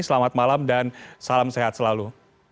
selamat malam dan salam sehat selalu